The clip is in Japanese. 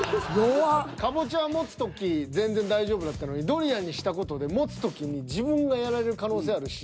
カボチャは持つ時全然大丈夫だったのにドリアンにした事で持つ時に自分がやられる可能性あるし。